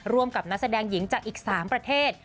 ร่วมกับนักแสดงหญิงจากอีก๓ประเทศ